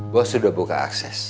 bos sudah buka akses